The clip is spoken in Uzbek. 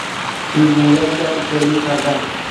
Tuyg’ular-la uchaylik har dam.